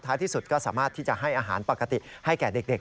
ที่สุดก็สามารถที่จะให้อาหารปกติให้แก่เด็ก